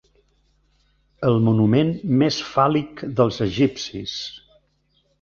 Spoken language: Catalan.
El monument més fàl·lic dels egipcis.